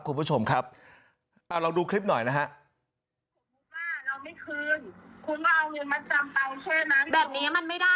คุณผู้ชมครับอ่าเราดูคลิปหน่อยนะฮะเราไม่คืน